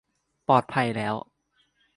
ปลอดภัยแล้ว